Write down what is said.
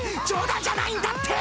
冗談じゃないんだって！